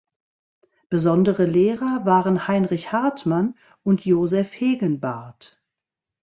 Besondere Lehrer waren Heinrich Hartmann und Josef Hegenbarth.